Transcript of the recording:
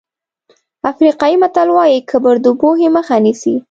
افریقایي متل وایي کبر د پوهې مخه نیسي.